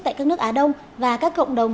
tại các nước á đông và các cộng đồng